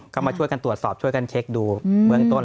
ก็มาช่วยกันตรวจสอบช่วยกันเช็คดูเมืองต้น